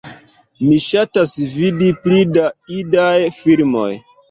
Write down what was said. Mi ŝatas vidi pli da idaj filmoj